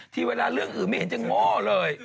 เวลาเรื่องอื่นไม่เห็นจะโง่เลย